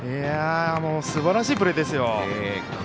すばらしいプレーですよ。